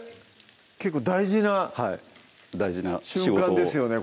結構大事な瞬間ですよね